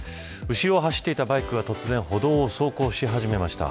後ろを走っていたバイクが突然歩道を走行し始めました。